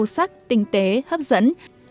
sắc tinh tế hấp dẫn